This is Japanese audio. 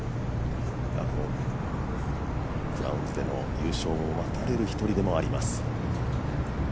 クラウンズでの優勝を待たれる１人でもあります。